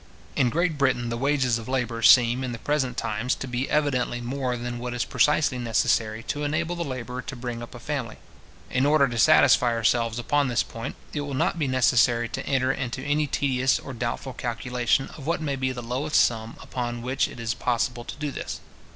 In Great Britain, the wages of labour seem, in the present times, to be evidently more than what is precisely necessary to enable the labourer to bring up a family. In order to satisfy ourselves upon this point, it will not be necessary to enter into any tedious or doubtful calculation of what may be the lowest sum upon which it is possible to do this.